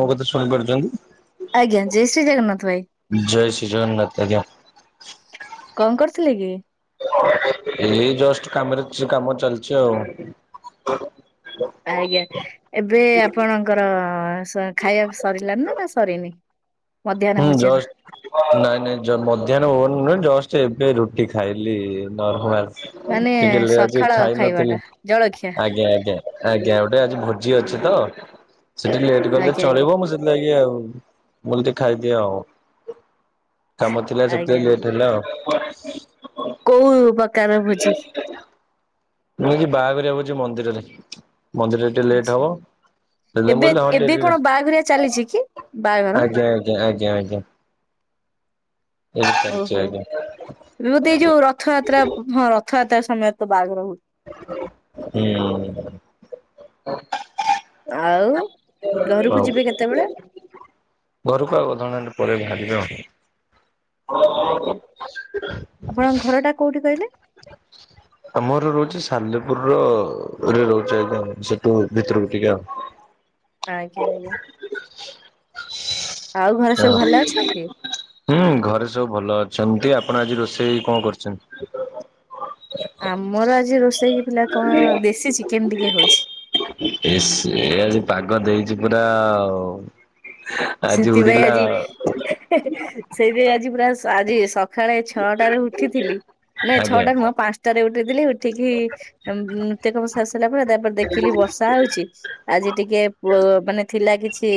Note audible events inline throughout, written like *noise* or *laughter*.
ମୋ କଥା ଶୁଣିପାରୁଚନ୍ତି? ଆଜ୍ଞା ଜୟ ଶ୍ରୀ ଜଗନ୍ନାଥ ଭାଇ। ଜୟ ଶ୍ରୀ ଜଗନ୍ନାତ ଆଜ୍ଞା। କଁ କରଥୁଲି କି? ଏଇ ଜଷ୍ଟ କାମରେ ଚେ କାମ ଚାଲଚି ଆଉ। ଆଜ୍ଞା ଏବେ ଆପଣଙ୍କର ସ ଖାଇବା ସରିଲାଣି ନାଁ ନାଁ ସରିନି? ମଧ୍ୟାହ୍ନ ହୁଁ ଜ ଭୋଜନ ନାଇଁ ନାଇଁ ଜ ମଧ୍ୟାହ୍ନ ଭୋନ ନୁହେଁ ଜଷ୍ଟ ଏବେ ରୁଟି ଖାଇଲି ନର୍ମାଲ। ମାନେ ଟିକେ ଲେ ଆଜି ସକାଳ ଖାଇ ଖାଇବା ନଥିଲି ଟା ଜଳଖିଆ ଆଜ୍ଞା ଆଜ୍ଞା। ଆଜ୍ଞା ଗୋଟେ ଆଜି ଭୋଜି ଅଛି ତ ସେଠି ଲେଟ୍ କଲେ ଆଜ୍ଞା ଆଜ୍ଞା। ଚଳିବ ମୁଁ ସେ ଲାଗି ଆଉ ମୁଲି ଦି ଖାଇଦିଏ ଆଉ। କାମ ଥିଲା ସେତେ ଆଜ୍ଞା ଆଜ୍ଞା ଲେଟ୍ ହେଲା ଆଉ। କୋଉ ପ୍ରକାରର ଭୋଜି? ନୁହେଁ କି ବାହାଘରିଆ ଭୋଜି ମନ୍ଦିରରେ। ମନ୍ଦିରରେ ଟିକେ ଲେଟ୍ ଆଚ୍ଛା ହବ। ସେଥିପାଇଁ ମୁଁ ଏବେ କହିଲି ହଁ ଏବେ ଟିକେ କଣ ବାହାଘରିଆ ଚାଲିଛି କି ବାହାଘର? ଏ ଆଜ୍ଞା ଆଜ୍ଞା। ଏବେ ଚାଲିଛି ଓହୋ ଆଜ୍ଞା ଏବେ ବୋଧେ ଏଇ ଯୋଉ ରଥଯାତ୍ରା ହଁ ରଥଯାତ୍ରା ସମୟ ତ ବାଆଘର ହୁ ହୁଁ। ଆଉ ଘରକୁ ଯିବେ କେତେବେଳେ? ଘରୁକୁ ଆଉ ଅଧ ଘଣ୍ଟା ଖଣ୍ଡେ ପରେ ୋବାହାରିବେଣି ଆଜ୍ଞା ଆପଣଙ୍କ ଘରଟା କୋଉଠି କହିଲେ? ଆମର ରହୁଚି ସାଲେପୁରର ରେ ରହୁଚି ଆଜ୍ଞା ସେଠୁ ଭିତୁରୁକୁ ଟିକେ ଆଉ। ଆଜ୍ଞା ଆଜ୍ଞା। ଆଉ ଘରେ ହ। ସବୁ ଭଲ ଅଛନ୍ତି? ହୁଁ ଘରେ ସବୁ ଭଲ ଅଛନ୍ତି। ଆପଣ ଆଜି ରୋଷେଇ କଁ କରଚନ୍ତ୍? ଆମର ଆଜି ରୋଷେଇ ହେଇଥିଲା କଣ ଦେଶୀ ଚିକେନ୍ ଟିକେ ହଉଛି। ଏସେ ଆଜି ପାଗ ଦେଇଚି ପୁରା ଆଉ। ଆଜି ସେଥିପାଇଁ ଉଡ଼ିଲା। ଆଜି ସେଇଥିପାଇଁ ଆଜି ପରା ସ ଆଜି ସ ଖାଳେ ଛଅଟାରେ ଉଠିଥିଲି ନାଇଁ ଆଜ୍ଞା ଛଅଟା ନୁହଁ ପାଁଶ୍ ଟାରେ ଉଠିଥିଲି ଉଠିକି ଉଁ ନୁତ୍ୟ କାମ ସାରିସାରିଲା ପରେ ତାପରେ ଦେଖିଲି ବର୍ଷା ହଉଚି। ଆଜି ଟିକେ ପ ମାନେ ଥିଲା କିଛି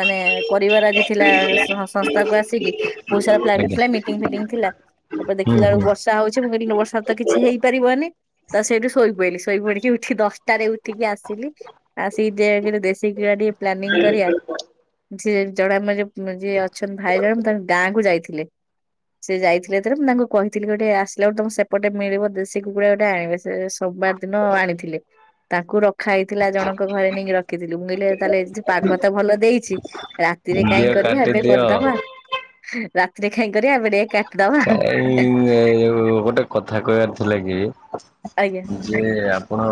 ମାନେ କରିବାର ଆଜି ଥିଲା ସ ସଂସ୍ଥାକୁ ଆସିକି। ବୋହୁ ସାରା ପ୍ଲାନିଙ୍ଗ ଆଜ୍ଞା ଥିଲା ମିଟିଂ ଫିଟିଂ ଥିଲା ତାପରେ ହୁଁ ଦେଖିଲା ଅଳୁ ବଷ୍ ତା ହଉଛିି ମୁଁ କଇନି ଇନୁ ବର୍ଷାରେ ତ କିଛି ହେଇପାରିବନି। ତ ସେଉଠୁ ଶୋଇ ପଇଲି ଶୋଇ ପଡ଼ିକି ଉଠି ଦଶଟାରେ ଉଠିକି ଆସିଲି। ଆଉ ସେଇ ଦେ କିରେ ଦେଶୀ କିଳା ଟିକେ ପ୍ଲାନିଂ କରିଆ। ସିଏ ଜଣେ ଆମ ଯୋଉ ଯିଏ ଅଛନ୍ତି ଭାଇ ଜଣେ ତାଙ୍କ ଗାଁକୁ ଯାଇଥିଲେ। ସିଏ ଯାଇଥିଲେ ଥରେ ମୁଁ ତାଙ୍କୁ କହିଥିନି ଗୋଟେ ଆସିଲାଉ ତମ ସେପଟେ ମିଳିବ ଦେଶି କୁକୁଡ଼ା ଗୋଟେ ଆଣିବେ। ସେ ସୋମବାର ଦିନ ଆଣିଥିଲେ। ତାକୁ ରଖା ହେଇଥିଲା ଜଣଙ୍କ ଘରେ ନେଇକି ରଖିଥିଲୁ। ମୁଁ କହିଲେ ତାହେଲେ ପାଗ ତ ଭଲ ଦେଇଛି। ରାତିରେ ହୁଁ କାଇଁ ଦିଅ କରିବା, ଏବେ କାଟିଦିଅ। କରିଦବା, ରାତିରେ କାଇଁ କରିବା, ଏବେ ଟିକେ କା କାଇ ଏ ଉ, ଗୋଟେ କଥା କହିବାର ଥିଲା କି। ଆଜ୍ଞା। ଯେ ଆପଣ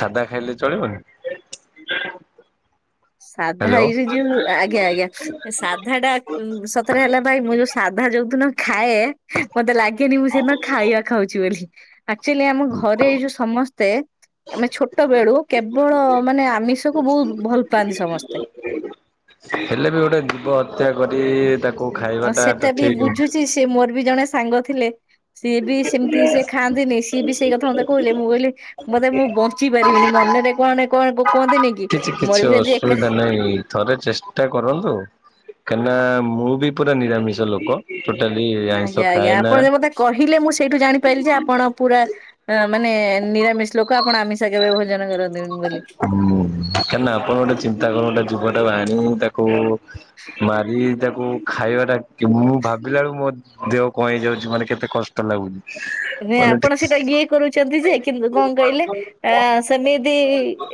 ସାଧା ଖାଇଲେ ଚଳିବନି? ସାଧା ହ୍ୟାଲୋ। ହେଇଚି ଯେ *unintelligible* ଆ, ଆଜ୍ଞା, ଆଜ୍ଞା ସାଧା ଟା ଉଁ, ସତରେ ହେଲା ଭାଇ ମୁଁ ଯୋଉ ସାଧା ଯୋଉଦିନ ଖାଏ ମୋତେ ଲାଗେନି ମୁଁ ସେଦିନ ଖାଇବା ଖାଉଛି ବୋଲି। ଆକ୍ଚୁଲି ଆମ ଘରେ ଏଇ ଯୋଉ ସମସ୍ତେ ଆମେ ଛୋଟ ବେଳୁ କେବଳ ମାନେ ଆମିଷକୁ ବହୁତ ଭଲ ପାଆନ୍ତି ସମସ୍ତେ। ହେଲେ ବି ଗୋଟେ ଜୀବ ହତ୍ୟା କରି ତାକୁ ଖାଇବାଟା ତ ଠିକ *inaudible* ସିଏ ମୋର ବି ଜଣେ ସାଙ୍ଗ ଥିଲେ ସିଏ ବି ସେମିତି ସିଏ ଖାଆନ୍ତିନି ସିଏ ବି ସେଇ କଥା ମୋତେ କଉଲେ ମୁଁ କହିଲି ମୋତେ ମୁଁ ବଞ୍ଚି ପାରିବିନି ମନରେ କଣ ନାଇ କଣ କୁ-କୁହନ୍ତିନି। କିଛି କିଛି ଅସୁବିଧା ନାହିଁ। ଥରେ ଚେଷ୍ଟା କରନ୍ତୁ, କାନା ମୁଁ ବି ପୁରା ନିରାମିଷ ଲୋକ। ଟୋଟାଲି ଆଜ୍ଞା ଆଇଁଷ ଖାଏ ଆଜ୍ଞା ନା। ଆପଣ ଯେ ମତେ କହିଲେ ମୁଁ ସେଇଠୁ ଜାଣିପାରିଲି ଯେ ଆପଣ ପୁରା ଅ, ମାନେ ନିରାମିଷ ଲୋକ ଆପଣ ଆମିସ କେବେ ଭୋଜନ କରନ୍ତିନି ବୋଲି। ହୁଁ, କାହିଁକି ନା ଆପଣ ଗୋଟେ ଚିନ୍ତା କର ଗୋଟେ ଜୀବଟା ହାଣି ତାକୁ ମାରି ତାକୁ ଖାଇବା ଟା କି ମୁଁ ଭାବିଲା ବେଳକୁ ମୋ ଦେହ କଣ ହେଇଯାଉଛି ମାନେ କେତେ କଷ୍ଟ ଲାଗୁଛି। ଆଜ୍ଞା ମାନେ ଆପଣ ସେଇଟା ଇଏ କରୁଛନ୍ତି ଯେ କିନ୍ତୁ କଣ କହିଲେ ଆ, ସେମିତି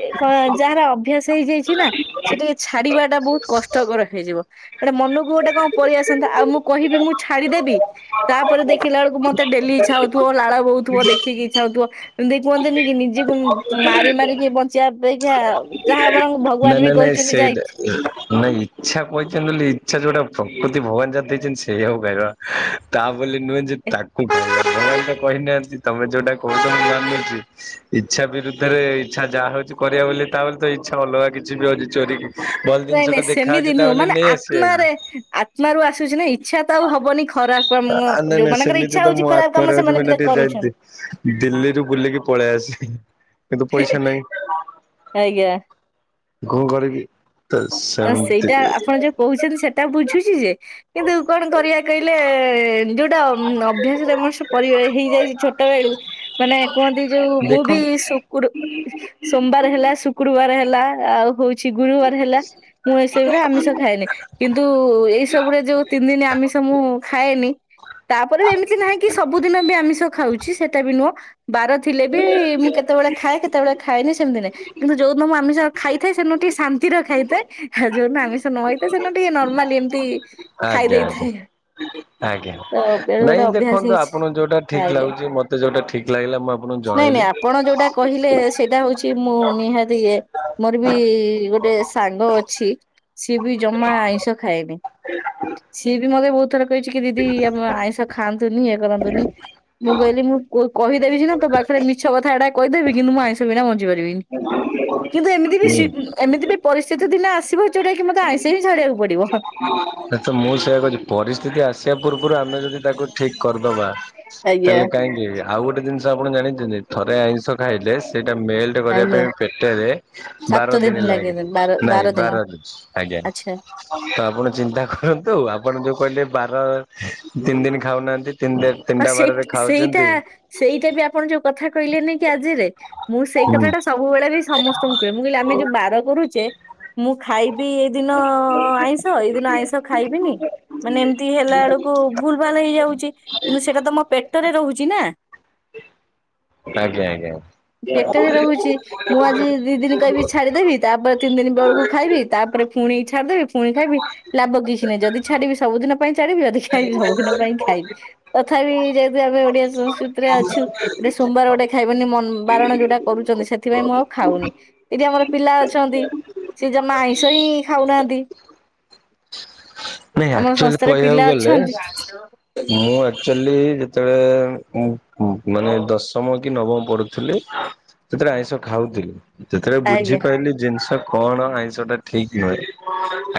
ଏ କଣ ଯାହାର ଅଭ୍ୟାସ ହେଇଯାଇଛି ନା ସିଏ ଟିକେ ଛାଡିବା ଟା ବହୁତ କଷ୍ଟକର ହେଇଯିବ। ଏଟା ମନକୁ ଗୋଟେ କଣ ପଳେଇଆସନ୍ତା, ଆଉ ମୁଁ କହିବି ମୁଁ ଛାଡିଦେବି ତାପରେ ଦେଖିଲା ବେଳକୁ ମୋତେ ଡେଲି ଇଚ୍ଛା ହଉଥୁବ, ଲାଳ ବୋହୁଥୁବ, ଦେଖିକି ଇଛା ହଉଥୁବ ଏମତି କୁହନ୍ତିନି କି ନିଜକୁ ମାରି ମାରିକି ବଞ୍ଚିବା ଅପେକ୍ଷା ଯାହା ଆପଣଙ୍କ ଭଗବାନ ବି କହି ସେଇଟା ଇଛା କହିଛନ୍ତି ବୋଲି ଇଚ୍ଛା ଯୋଉଟା ପ୍ରକୃତି ଭଗବାନ ଯାହା ଦେଇଛନ୍ତି ସେଇଆକୁ ଖାଇବା, ତା ବୋଲି ନୁହେଁ ଯେ ତା *inaudible* କହିନାହାନ୍ତି ତୋମେ ଯୋଉଟା କହୁଛ *inaudible* ଇଚ୍ଛା ବିରୁଦ୍ଧରେ ଇଚ୍ଛା ଯାହା ହଉଛି କରିବା ବୋଲି ତା ବୋଲି ତ ଇଚ୍ଛା ଅଲଗା କିଛି ବି ହଉଛି ଚୋରି କି ନାଇଁ ନାଇଁ ସେମିତି ନୁହଁ ମାନେ ଆସିବା କି ଆତ୍ମାରେ, ଆତ୍ମା ରୁ ଆସୁଛି ନା, ଇଚ୍ଛା ତ ଆଉ ହବନି ଖରାପ ନୁଅ, ଆ ନାଇଁ ନାଇଁ ଯୋଉମାନଙ୍କର ସେମିତି ଇଚ୍ଛା ତ ହଉଛି ମୋ ଖରାପ ଆତ୍ମାରେ କାମ ଅଛି ମୁଁ ସେମାନେ ଏଇନା *unintelligible* ଟିକେ କରୁଛନ୍। ଯାଇଥିଲି ଦିଲ୍ଲୀରୁ ବୁଲିକି ପଳେଇ ଆସି କିନ୍ତୁ ପଇସା ନାହିଁ। ଆଜ୍ଞା। କଣ କରିକି ତ ତ ସେମିତି ସେଇଟା ବି ଆପଣ ଯୋଉ କହୁଛନ୍ତି ସେଟା ବୁଝୁଛି ଯେ କିନ୍ତୁ କଣ କରିବା କହିଲେ ଯୋଉଟା ଉଁ, ଅଭ୍ୟାସରେ ମଣିଷ ପରିଅ ହେଇଯାଇଛି ଛୋଟ ବେଳୁ ମାନେ କୁହନ୍ତି ଯୋଉ ମୁଁ ବି ଦେଖନ୍ତୁ ଶୁକ୍ରୁ ସୋମବାର ହେଲା ଶୁକ୍ରୁବାର ହେଲା ଆଉ ହଉ ଛି ଗୁରୁବାର ହେଲା ମୁଁ ଏସବୁରେ ଆମିଷ ଖାଏନି। କିନ୍ତୁ ଏଇ ସବୁରେ ଯୋଉ ତିନିଦିନ ଆମିଷ ମୁଁ ଖାଏନି। ତାପରେ ବି ଏମିତି ନାହାଁ କି ସବୁଦିନ ବି ଆମିଷ ଖାଉଛି ସେଟା ବି ନୁଅଁ। ବାର ଥିଲେ ବି ମୁଁ କେତେବେଳେ ଖାଏ କେତେବେଳେ ଖାଏନି ସେମିତି ନାଇଁ, କିନ୍ତୁ ଯୋଉଦିନ ମୁଁ ଆମିଷ ଖାଇଥାଏ ସେଦିନ ଟିକେ ଶାନ୍ତିରେ ଖାଇଥାଏ ଯୋଉ ଦିନ ଆମିଷ ନ ହେଇଥାଏ ସେ ଦିନ ଟିକେ ନର୍ମାଲି ଏମିତି ଖାଇ ଆଜ୍ଞା ଆଜ୍ଞା ଦେଇଥାଏ। ଆଜ୍ଞା ତ ବେଳେ ନାଇଁ ଗୋଟେ ଅଭ୍ୟାସ ଦେଖନ୍ତୁ ହେଇଛି ଆପଣଙ୍କୁ ଯୋଉଟା ଠିକ ଆଜ୍ଞା। ଲାଗୁଛି ମତେ ଯୋଉଟା ଠିକ ଲାଗିଲା ମୁଁ ଆପଣଙ୍କୁ ନାଇଁ ନାଇଁ ଜଣେଇଲି। ଆପଣ ଯୋଉଟା କହିଲେ ସେଇଟା ହୋଉଛି ମୁଁ ନିହାତି ଇଏ ମୋର ବି ବି ଗୋଟେ ସାଙ୍ଗ ଅଛି ସିଏ ବି ଜମା ଆଇଁଷ ଖାଏନି। ସିଏ ବି ମତେ ବହୁତ ଥର କହିଛି କି ଦିଦି ଆମ ଆଇଁଷ ଖାଆନ୍ତୁନି ଇଏ କରନ୍ତୁନି। ମୁଁ କହିଲି ମୁଁ କ କହିଦେବି ସିନା ତୋ ପାଖରେ ମିଛ କଥାଏଟା କହିଦେବି କିନ୍ତୁ ମୁଁ ଆଇଁଷ ବିନା ବଞ୍ଚି ପାରିବିନି। କିନ୍ତୁ ଏମିତି ବି ହୁଁ ସି ଏମିତି ବି ପରିସ୍ଥିତି ଦିନେ ଆସିବ ଯୋଉଟା କି ମତେ ଆଇଷ ହିଁ ଛାଡ଼ିବାକୁ ପଡ଼ିବ। ତ ମୁଁ ସେଇଆ କହୁଛି ପରିସ୍ଥିତି ଆସିବା ପୂର୍ବରୁ ଆମେ ଯଦି ତାକୁ ଠିକ କରିଦବା ଆଜ୍ଞା। ଗ୍ୟା ଆଉ ଗୋଟେ ଜିନିଷ ଆପଣ ଜାଣିଛନ୍ତି ଥରେ ଆଇଁଷ ଖାଇଲେ ସେଇଟା ମେଲ ଟେ କରିବା ଆଜ୍ଞା ପାଇଁ ପେଟରେ ବାର ଦିନି ଲାଗେ ନାଇଁ ବାର ଦିନ। ଆଜ୍ଞା। ଆଚ୍ଛା। ତ ଆପଣ ଚିନ୍ତା କରନ୍ତୁ ଆପଣ ଯୋଉ କହିଲେ ବାର ତିନି ଦିନ ଖାଉନାହାନ୍ତି ତିନି ଦି ଆ ସେଇ ସେଇଟା ସେଇଟା ବି ଆପଣ ଯୋଉ କଥା କହିଲେ ନେଇକି ଆଜିରେ ମୁଁ ସେଇ ହୁଁ କଥାଟା ସବୁବେଳେ ବି ସମସ୍ତଙ୍କୁ କୁହେ ମୁଁ କହିଲି ଆମେ ଯୋଉ ବାର କରୁଚେ ମୁଁ ଖାଇବି ଦିନ ଆଇଁଷ ତ ଏଇ ଦିନ ଆଇଁଷ ଖାଇବିନି ମାନେ ଏମିତି ହେଲା ବେଳକୁ ଭୁଲ ଭାଲ ହେଇଯାଉଚି। କିନ୍ତୁ ସେଟା ତ ମୋ ପେଟରେ ରୋହୁଚି ନା। ଆଜ୍ଞା ଆଜ୍ଞା। ପେଟରେ ରୋହୁଛି ମୁଁ ଆଜି ଦି ଦିନ କହିବି ଛାଡ଼ିଦେବି ତାପରେ ତିନି ଦିନ ବେଳକୁ ଖାଇବି ତାପରେ ପୁଣି ଛାଡ଼ିଦେବି ପୁଣି ଖାଇବି ଲାଭ କିଛି ନାହିଁ ଯଦି ଛାଡ଼ିବି ସବୁଦିନ ପାଇଁ ଚାଡ଼ିବି ଯଦି ଖାଇବି ସବୁଦିନ ପାଇଁ ଖାଇବି ତଥାପି ଯେହେତୁ ଆମେ ଓଡ଼ିଆ ସଂସ୍କୃତିରେ ଅଛୁ ଟେ ସୋମବାର ଗୋଟେ ଖାଇବନି ମ ବାରଣ ଯୋଉଟା କରୁଛନ୍ତି ସେଥିପାଇଁ ମୁଁ ଆଉ ଖାଉନି। ଏଠି ଆମର ପିଲା ଅଛନ୍ତି ସିଏ ଜମା ଆଇଁଷ ହିଁ ଖାଉନାହାନ୍ତି। ନାଇଁ ଆମ ଆକ୍ଚୁଆଲି ସଂସ୍ଥାରେ ପିଲା କହିବାକୁ ଗଲେ ଅଛନ୍ତି ମୁଁ ଆ ଆଚୁଲି ଯେତେବେଳେ ମାନେ ଦଶମ କି ନବମ ପଢ଼ୁଥିଲି ସେତେବେଳେ ଆଇଁଷ ଖାଉଥିଲି। ଯେତେବେଳେ ଆଜ୍ଞା ଆଜ୍ଞା ବୁଝିପାଇଲି ଜିନିଷ କଣ ଆଇଁଷଟା ଠିକ ନୁହେଁ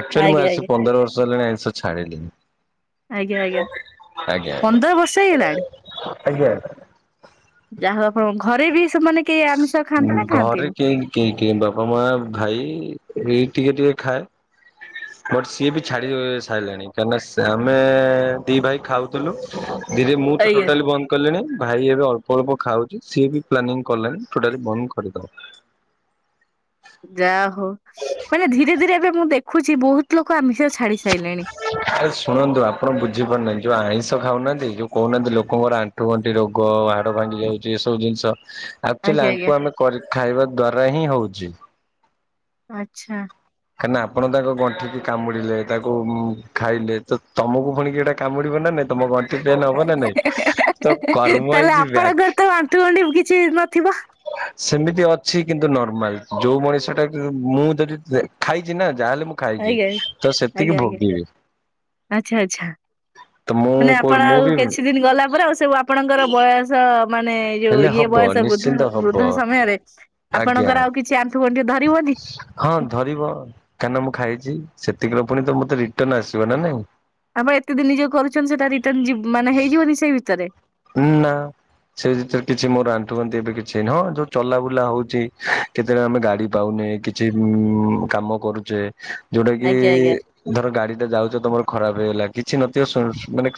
ଆକ୍ଚୁଲି ମୁଁ ଆଜ୍ଞା ଆସି ପନ୍ଦର ବର୍ଷ ହେଲାଣି ଆଇଁଷ ଛାଡ଼ିଲିଣି। ଆଜ୍ଞା ଆଜ୍ଞା ଆଜ୍ଞା ପନ୍ଦର ବର୍ଷ ହେଇଗଲା। ଆଜ୍ଞା। ଯାହାଉ ଆପଣ ଘରେ ବି ସେମାନେ କେଇ ଆମିଷ ଖାଆନ୍ତି ନା ଖାଆନ୍ତିନି? କିଏ କିଏ ବାପା ମାଆ ଭାଇ ଏଇ ଟିକେ ଟିକେ ଖାଏ। ବଟ ସିଏ ବି ଛାଡ଼ି ସାଇଲାଣି କାହିଁକିନା ସ ଆମେ ଦି ଭାଇ ଖାଉଥୁଲୁ। ଦିଦି ମୁଁ ତ ଆଜ୍ଞା ଟୋଟାଲି ବନ୍ଦ କଲେଣି ଭାଇ ଏବେ ଅଳ୍ପ ଅଳ୍ପ ଖାଉଚି ସିଏ ବି ପ୍ଲାନିଂ କଲାଣି ଟୋଟାଲି ବନ୍ଦ କରିଦବ। ଯା ହୋଉ ମାନେ ଧୀରେ ଧୀରେ ଏବେ ମୁଁ ଦେଖୁଚି ବହୁତ ଲୋକ ଆମିଷ ଛାଡ଼ି ସାଇଲେ ଆରେ ଶୁଣନ୍ତୁ ଆପଣ ବୁଝିପାରୁନାହାନ୍ତି ଯୋଉ ଆଇଁଷ ଖାଉନାହାନ୍ତି ଯୋଉ କହୁନାହାନ୍ତି ଲୋକଙ୍କର ଆ ଟୁ ଗଣ୍ଠି ରୋଗ ହାଡ଼ ଭାଙ୍ଗି ଯାଉଚି ଏସବୁ ଜିନିଷ ଆକ୍ଚୁଆଲି ଆଜ୍ଞା ଆଜ୍ଞା। ଆଙ୍କୁ ଆମେ କରି ଖାଇବା ଦ୍ଵାରା ହିଁ ହଉଚି। ଆଚ୍ଛା। କାହିଁକି ନା ଆପଣ ତାଙ୍କ ଗଣ୍ଠିକି କାମୁଡ଼ିଲେ ତାକୁ ଖାଇଲେ ତ ତମକୁ ପୁଣି କିଏ ଟା କାମୁଡ଼ିବ ନା ନାଇଁ ତମ ଗ ହେ କର୍ମ ତାହେଲେ ଇଜ୍ ବ୍ୟାକ୍। ଆପଣଙ୍କର ତ ଆଣ୍ଠୁଗଣ୍ଠି ବୁ କିଛି ନଥିବ? ସେମିତି ଅଛି କିନ୍ତୁ ନର୍ମାଲ ଯୋଉ ମଣିଷ ଟା ମୁଁ ଯଦି ଦେ ଖାଇଛି ନା ଯାହାହେଲେ ମୁଁ ଖାଇଛି ଆଜ୍ଞା ତ ଆଜ୍ଞା ସେତିକି ଆଜ୍ଞା ଭୋଗିବି। ଆଚ୍ଛା ଆଚ୍ଛା ତ ମୁଁ ମାନେ କୋଉ ଆପଣ ମୁଁ ଆଉ ବି କିଛି ଦିନ ଗଲା ପରେ ଆଉ ସବୁ ଆପଣଙ୍କର ବୟ ସ ମାନେ ଯୋଉ ହେଲେ ଇଏ ହବ ବୟସ ନିଶ୍ଚିନ୍ତ ବୃଦ୍ଧ ହବ ବୃଦ୍ଧ ସମୟରେ ଆଜ୍ଞା ଆପଣଙ୍କର ଆଉ କିଛି ଆ ଆଣ୍ଠୁ ଗଣ୍ଠି ଧରିବନି? ହଁ ଧରିବ କାହିଁକିନା ମୁଁ ଖାଇଛି ସେତିକିର ପୁଣି ତ ମତେ ରିଟନ ଆସିବ ନା ନାଇଁ। ଆମ ଏତେ ଦିନ ଯୋଉ କରୁଛ ସେଟା ରିଟର୍ନଣ ମାନେ ହେଇଯିବନି ସେଇ ଭିତରେ ନା ସେ ଭିତରେ କିଛି ମୋର ଆଣ୍ଠୁ ଗଣ୍ଠି ଏବେ କିଛି ହେଇନି ହଁ ଯୋଉ ଚଲା ବୁଲା ହଉଛି କେତେବେଳେ ଆମେ ଗାଡି ପାଉନେ କିଛି ଉଁ କାମ କରୁଛେ ଯୋଉଟା କି ଆଜ୍ଞା ଆଜ୍ଞା ଧର ଗାଡି ଟା ଯାଉଛ ତମର ଖରାପ ହେଇଗଲା କିଛି ନଥିବ ସୁ ମାନେ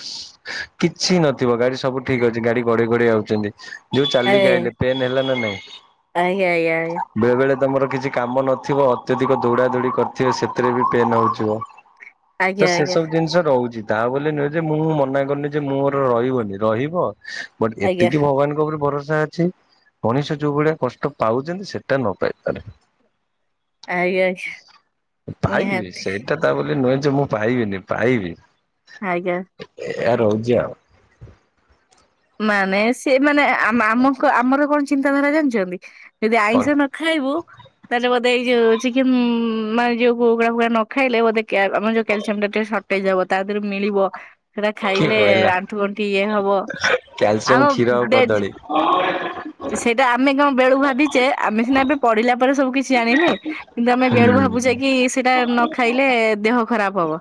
କିଛି ନଥିବ ଗାଡି ସବୁ ଠିକ ଅଛି ଗାଡି ଗଡେଇ ଘଡେଇ ଆଉଛନ୍ତି। ଯୋଉ ଚାଲିକି ଆଇଲେ ପେନ୍ ହେଲା ନା ନାଇଁ? ଆଜ୍ଞା ଆଜ୍ଞା ଆଜ୍ଞା ବେଳେ ବେଳେ ତମର କିଛି କାମ ନଥିବ ଅତ୍ୟଧିକ ଦୌଡା ଦୌଡି କରିଥିବେ ସେଥିରେ ବି ପେନ୍ ହଉଥିବ। ତ ଆଜ୍ଞା ଆଜ୍ଞା ସେସବୁ ଜିନିଷ ରହୁଛି ତା ବୋଲି ନୁହେଁ ଯେ ମୁଁ ମନା କରୁନି ଯେ ମୋର ରହିବନି ରହି ହଁ ବଟ ଆଜ୍ଞା ଏତିକି ଭଗବାନଙ୍କ ଉପରେ ଭରସା ଛି ମଣିଷ ଯୋଉ ଭଳିଆ କଷ୍ଟ ପାଉଛନ୍ତି ସେଟା ନ ପାଇପାରେ। ଆଜ୍ଞା ଆଜ୍ଞା ନିହାତି। ଏଟା ତା ବୋଲି ନୁହେଁ ଯେ ମୁଁ ପାଇବିନି ପାଇବି। ଆଜ୍ଞା। ଏୟା ରହୁଛି ଆଉ। ମାନେ ସେ ମାନେ ଆ ଆମ ଆ ଆମର କଣ ଚିନ୍ତାଧାରା ଜାଣିଛନ୍ତି ଯଦି ଆଇଁଷ ନ ଖାଇବୁ ତାହେଲେ ବୋଧେ ଏଇ ଯଉ ଚିକେନ ମାନେ ଯୋଉ କୁକୁଡ଼ା ଫୁକୁଡା ନ ଖାଇଲେ ବୋଧେ କ୍ୟା ଆମ ଯୋଉ କ୍ୟାଲସିୟମ ଟା ଟିକେ ସଟ୍ ଟେଇ ଦବ ତା ଦେହରେ ମିଳିବ ସେଟା କିଏ ଖାଇଲେ କହିଲା ଆଣ୍ଠୁ ଗଣ୍ଠି ଇଏ ହବ। ଆମ କ୍ୟାଲସିୟମ କ୍ଷୀର ଆଉ କଦଳୀ ହଁ *unintelligible* ସେଇଟା ଆମେ କଣ ବେଳୁ ଭାବିଛେ ଆମେ ସିନା ଏବେ ପଢିଲା ପରେ ସବୁ କିଛି ଜାଣିଲେ। କିନ୍ତୁ ଆମେ ହୁଁ ବେଳୁ ଭାବୁଛେ କି ସେଇଟା ନ ନ ଖାଇଲେ ଦେହ ଖରାପ ହବ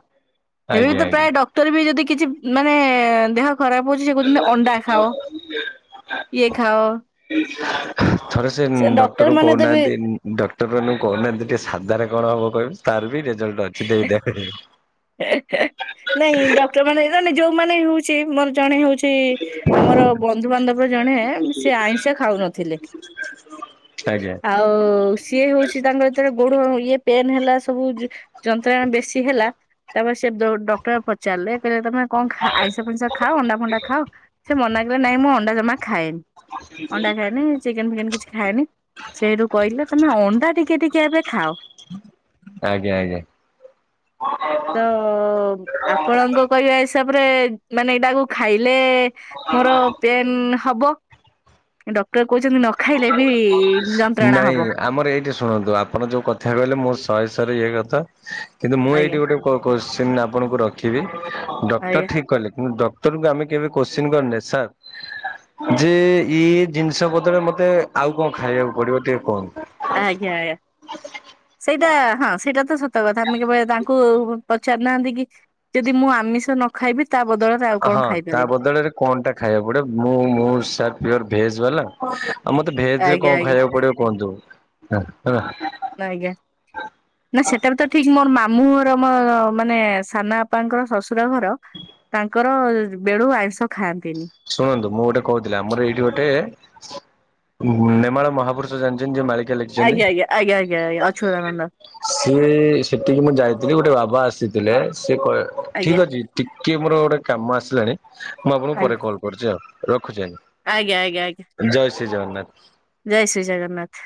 ଏବେ ବି ଆଜ୍ଞା ତ ଆଜ୍ଞା। ପ୍ରାୟ ଡ କ୍ଟର ବି ଯଦି କିଛି ମାନେ ଦେହ ଖରାପ ହଉଛି ସେ କହୁଛନ୍ତି ଅଣ୍ଡା ଖାଅ ଇଏ ଖାଅ। ଥରେ ସେ ଉଁ ଡକ୍ଟର କୁ କହୁନାହାନ୍ତି ଉଁ ଡକ୍ଟର ମାନଙ୍କୁ କହୁନାହାଁନ୍ତି ଟିକେ ସାଧାରେ କଣ ହବ କହିବେ ତାର ବି ରେଜଲ୍ଟ ଅଛି ଦେଇଦେ ହେ ହେ ନାଇଁ ଡକ୍ଟର ମାନେ ମାନେ ଯୋଉମାନେ ହଉଛି ମୋର ଜଣେ ହଉଛି ସେ ଆମର ବନ୍ଧୁବାନ୍ଧବ ଜଣେ ସେ ଆଇଁଷା ଖାଉନଥିଲେ ଆଜ୍ଞା। ଆଉ ସିଏ ହଉଛି ତାଙ୍କର ଏଥିରେ ଗୋଡ ଇଏ ପେନ୍ ହେଲା ସବୁ ଯୋ ଯନ୍ତ୍ରଣା ବେଶୀ ହେଲା ତାପରେ ସେ ଡ ଡକ୍ଟର ପଚାରିଲେ କହିଲେ ତମେ କଣ ଖା ଆଇଁଷ ଫାଇଁସ ଖାଅ ଅଣ୍ଡା ଫଣ୍ଡା ଖାଅ ସେ ମନା କରେ ନାଇଁ ମୁଁ ଅଣ୍ଡା ଜମା ଖାଏନି। ଅଣ୍ଡା ଆଜ୍ଞା। ଖାଏନି ଚିକେନ ଫିକେନ୍ କିଛି ଖାଏନି। ସେଇଠୁ କହିଲେ ତମେ ଅଣ୍ଡା ଟିକେ ଟିକେ ଏବେ ଖାଅ। ଆଜ୍ଞା ଆଜ୍ଞା। ତ ଆପଣଙ୍କ କହିବା ହିସାବରେ ମାନେ ଏଇଟାକୁ ଖାଇଲେ ମୋର ପେନ୍ ହବ ଡକ୍ଟର କହୁଛନ୍ତି ନ ଖାଇଲେ ବି ଯନ୍ତ୍ରଣା ନାଇଁ ହବ। ଆମର ଏଇଠି ଶୁଣନ୍ତୁ ଆପଣ ଯୋଉ କଥା କହିଲେ ମୋ ଶହେ ଶହରେ ଇଏ କଥା କିନ୍ତୁ ମୁଁ ଏଇଠି ଆଜ୍ଞା ଗୋଟେ କୋଶ୍ଚିନ ଆପଣଙ୍କୁ ରଖିବି ଡକ୍ଟର ଆଜ୍ଞା ଠିକ୍ କହିଲେ କିନ୍ତୁ ଡ କ୍ଟରଙ୍କୁ ଆମେ କେବେ କୋଶ୍ଚିନ କରିନେ ସାର୍ ଯେ ଇଏ ଜିନିଷ ବଦଳରେ ମତେ ମତେ ଆଉ କଣ ଖାଇବାକୁ ପଡିବ ଟିକେ କୁହନ୍ତୁ। ଆଜ୍ଞା ଆଜ୍ଞା। ସେଇଟା ହଁ ସେଇଟା ତ ସତ କଥା ଆମେ କେବେ ତାଙ୍କୁ ପଚାରୁ ନାହାନ୍ତି କି ଯଦି ମୁଁ ଆମିଷ ନ ଖାଇବି ତା ବଦଳରେ ଆଉ ହଁ କଣ ତା ଖାଇପାରିବି। ବଦଳରେ କଣ ଟା ଖାଇବାକୁ ପଡିବ। ମୁଁଁ ମୁଁ ସାର୍ ପିଓର ଭେଜ୍ ବାଲା ଆଉ ମତେ ଭେଜରେ ଆଜ୍ଞା କଣ ଆଜ୍ଞା ଖାଇବାକୁ ପଡିବ କୁହନ୍ତୁ ଆହା। *unintelligible* ଆଜ୍ଞା। ନାଁ ସେଟା ବି ତ ଠିକ୍ ମୋର ମାମୁଁ ଘର ମୋ ମାନେ ସାନ ବାପାଙ୍କର ଶଶୁର ଘର ତାଙ୍କର ବେଳୁ ଆଇଁଷ ଖାଆନ୍ତିନି। ଶୁଣନ୍ତୁ ମୁଁ ଗୋଟେ କୋହୁଥିଲି ଆମର ଏଇଠି ଗୋଟେ ନେମାଳ ମହାପୁରୁଷ ଜାଣିଚନ୍ତି ଯେ ମାଳି ଆଜ୍ଞା ଆଜ୍ଞା ଆଜ୍ଞା ଆଜ୍ଞା ଆଜ୍ଞା ଅଛୁତା ନନ୍ଦ। ସିଏ ସେଠିକି ମୁଁ ଯାଇଥିଲି ଗୋଟେ ବାବା ଆସିଥିଲେ। ସିଏ କ ଆଜ୍ଞା। ଠିକ୍ ଅଛି। ଟିକେ ମୋର ଗୋଟେ କାମ ଆସିଲାଣି। ମୁଁ ଆପଣଙ୍କୁ ପରେ ଆଜ୍ଞା କଲ୍ କରୁଚି ଆଉ ରଖୁଛି ଆଜ୍ଞା। ଆଜ୍ଞା ଆଜ୍ଞା ଆଜ୍ଞା। ଜୟ ଶ୍ରୀ ଜଗନ୍ନାଥ। ଜୟ ଶ୍ରୀ ଜଗନ୍ନାଥ।